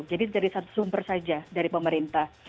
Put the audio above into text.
jadi dari satu sumber saja dari pemerintah